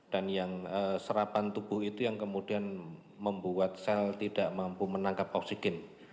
dan yang serapan tubuh itu yang kemudian membuat sel tidak mampu menangkap oksigen